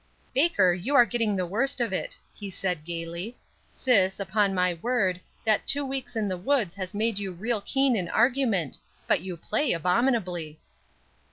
"Baker, you are getting the worst of it," he said, gayly. "Sis, upon my word, that two weeks in the woods has made you real keen in argument; but you play abominably."